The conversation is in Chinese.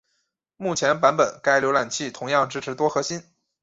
目前版本该预览器同样支持多核心。